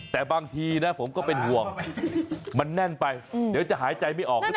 แต่บางทีนะผมก็เป็นห่วงมันแน่นไปเดี๋ยวจะหายใจไม่ออกหรือเปล่า